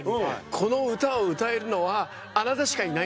「この歌を歌えるのはあなたしかいないんですよ。